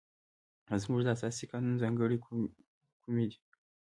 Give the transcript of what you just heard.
زموږ د اساسي قانون ځانګړنې کومې دي؟